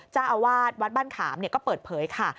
เจ้าอาวาสวัดบ้านขามก็เปิดเผยค่ะ